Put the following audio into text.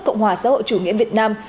cộng hòa giáo hội chủ nghĩa việt nam